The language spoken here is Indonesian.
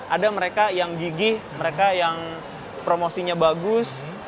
ada mereka yang gigih mereka yang promosinya bagus